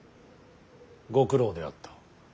ご苦労であった。